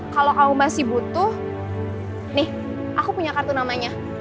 kalau kamu masih butuh nih aku punya kartu namanya